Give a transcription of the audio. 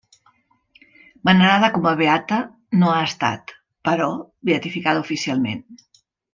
Venerada com a beata, no ha estat, però, beatificada oficialment.